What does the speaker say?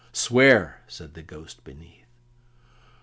"Swear!" said the Ghost beneath.